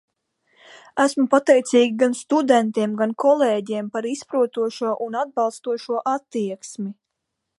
Esmu pateicīga gan studentiem, gan kolēģiem par izprotošo un atbalstošo attieksmi.